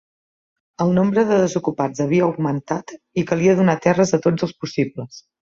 El nombre de desocupats havia augmentat i calia donar terres a tots els possibles.